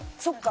そっか。